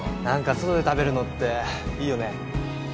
何か外で食べるのっていいよね。